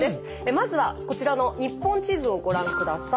まずはこちらの日本地図をご覧下さい。